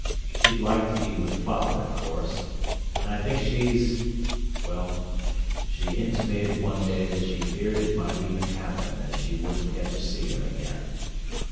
She'd like to be with father, of course; and I think she's—well, she intimated one day that she feared it might even happen that she wouldn't get to see him again.